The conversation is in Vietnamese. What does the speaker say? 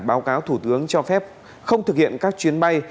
báo cáo thủ tướng cho phép không thực hiện các chuyến bay